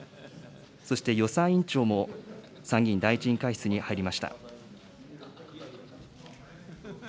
そして予算委員長も、参議院第１委員会室に入りました。